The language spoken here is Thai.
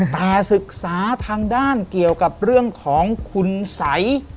แต่ศึกษาทางด้านเกี่ยวกับเรื่องของคุณสัย